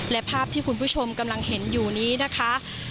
และภาพที่คุณผู้ชมกำลังเห็นอยู่นี้นะคะ